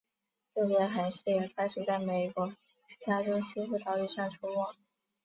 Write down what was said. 个别海狮也开始在美国加州西部岛屿上出没。